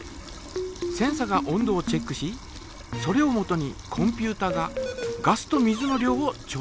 センサが温度をチェックしそれをもとにコンピュータがガスと水の量を調節する。